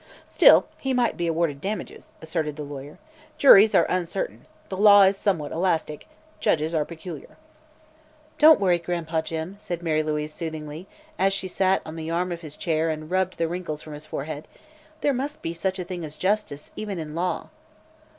"Still, he might be awarded damages," asserted the lawyer. "Juries are uncertain; the law is somewhat elastic; judges are peculiar." "Don't worry, Gran'pa Jim," said Mary Louise soothingly, as she sat on the arm of his chair and rubbed the wrinkles from his forehead; "there must be such a thing as justice, even in law."